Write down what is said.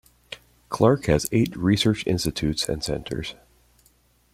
Clark has eight research institutes and centers.